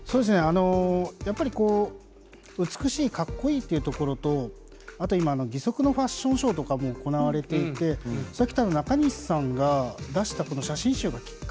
やっぱり美しいかっこいいってところとあと義足のファッションショーとかも行われていて確か中西選手が出した写真集がきっかけだったと思うんですよね。